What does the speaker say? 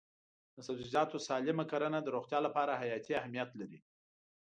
د سبزیجاتو سالم کرنه د روغتیا لپاره حیاتي اهمیت لري.